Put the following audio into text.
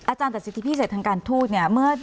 อาจารย์แต่เศรษฐีพิเศษทางการทูด